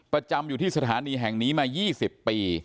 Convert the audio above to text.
ประจำอยู่ที่สถานีแห่งนี้มา๒๐ปี